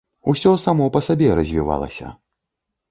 Усё само па сабе развівалася.